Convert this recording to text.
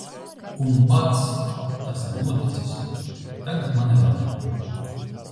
Un, bāc, tas ir noticis. Tagad man ir labi.